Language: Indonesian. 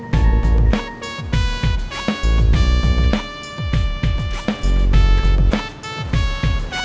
tidak ada yang bisa dihentikan